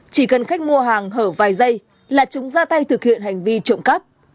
chỉ cần khách mua hàng hở vài giây là chúng ra tay thực hiện hành vi trộm cắp